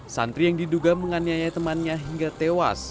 santri yang diduga menganiaya temannya hingga tewas